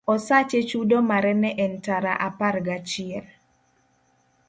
Osache chudo mare ne en tara apar ga chiel.